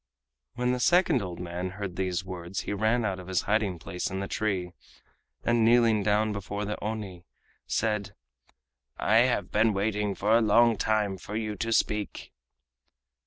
When the second old man heard these words he ran out of his hiding place in the tree and, kneeling down before the Oni, said: "I have been waiting for a long time for you to speak!"